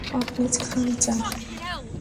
আপনি খান চা।